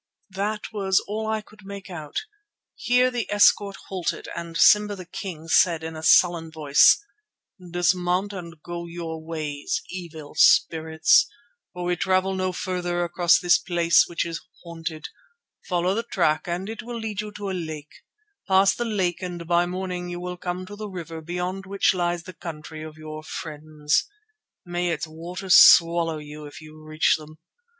That was all I could make out. Here the escort halted, and Simba the King said in a sullen voice: "Dismount and go your ways, evil spirits, for we travel no farther across this place which is haunted. Follow the track and it will lead you to a lake. Pass the lake and by morning you will come to the river beyond which lies the country of your friends. May its waters swallow you if you reach them.